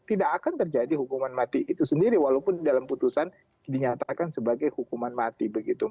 tidak akan terjadi hukuman mati itu sendiri walaupun dalam putusan dinyatakan sebagai hukuman mati begitu